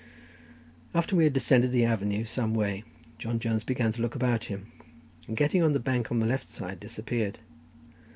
After we had descended the avenue some way, John Jones began to look about him, and getting on the bank on the left side, disappeared.